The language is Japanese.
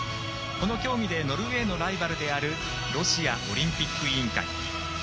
この競技でノルウェーのライバルであるロシアオリンピック委員会。